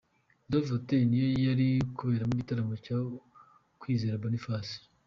Dove Hotel ni yo yari kuberamo igitaramo cya Kwizera Boniface.